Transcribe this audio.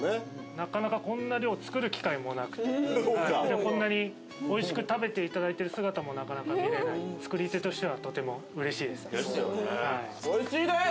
なかなかこんな量作る機会もなくてこんなにおいしく食べていただいてる姿もなかなか見れない作り手としてはとても嬉しいですですよね